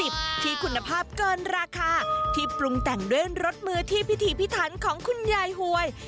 ที่คุณภาพเกินราคาที่ปรุงแต่งด้วยรสมือที่พิธีพิถันของคุณยายหวย